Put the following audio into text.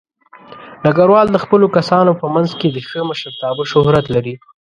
ډګروال د خپلو کسانو په منځ کې د ښه مشرتابه شهرت لري.